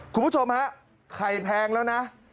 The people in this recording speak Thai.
คุณผู้ชมฮะไข่แพงแล้วนะ